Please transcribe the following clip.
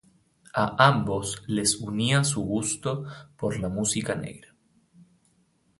A ambos les unía su gusto por la música negra.